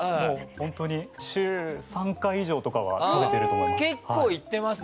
本当に週３回以上とか食べてると思います。